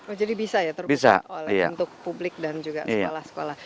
oh jadi bisa ya terbuka untuk publik dan juga sekolah sekolah